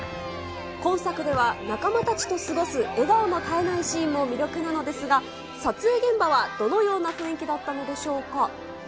今作では、仲間たちと過ごす笑顔の絶えないシーンも魅力なのですが、撮影現場はどのような雰囲気だったのでしょうか。